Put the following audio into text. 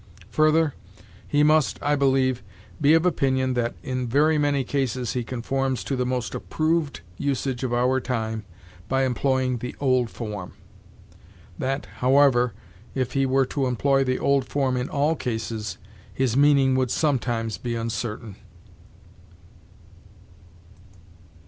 Further, he must, I believe, be of opinion that in very many cases he conforms to the most approved usage of our time by employing the old form; that, however, if he were to employ the old form in all cases, his meaning would sometimes be uncertain.